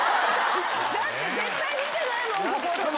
だって、絶対見てないもん、ここ。